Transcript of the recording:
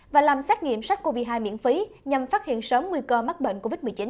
và làm xét nghiệm sars cov hai miễn phí nhằm phát hiện sớm nguy cơ mắc bệnh covid một mươi chín